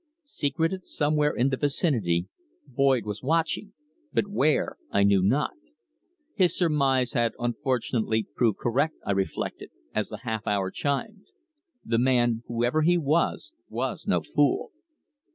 Secreted somewhere in the vicinity, Boyd was watching, but where I knew not. His surmise had unfortunately proved correct, I reflected, as the half hour chimed. The man, whoever he was, was no fool.